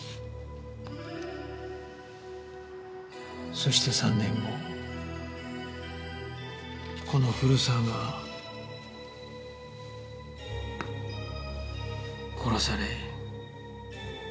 そして３年後この古沢が殺され。